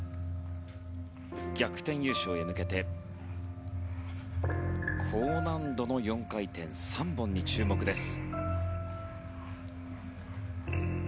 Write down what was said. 逆転優勝へ向けて高難度の４回転３本に注目です。